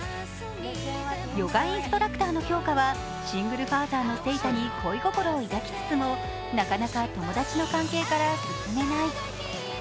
ヨガインストラクターの杏花はシングルファーザーの晴太に恋心を抱きつつもなかなか友達の関係から進めない。